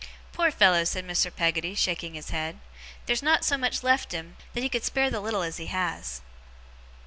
Poor fellow!' said Mr. Peggotty, shaking his head, 'theer's not so much left him, that he could spare the little as he has!